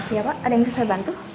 iya pak ada yang bisa saya bantu